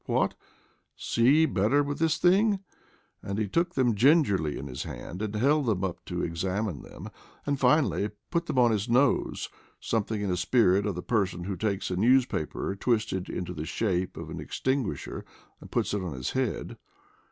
"What, see better with this thing!" and he took them gingerly in his hand, and held them up to examine them, and finally put them on his nose — something in the spirit of the person who takes a newspaper twisted into the shape of an extin guisher, and puts it on his head.